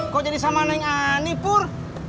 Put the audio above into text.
kok jadi sama neng ani pur